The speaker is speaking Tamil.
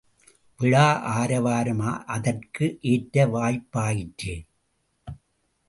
விழா ஆரவாரம் அதற்கு ஏற்ற வாய்ப்பாயிற்று.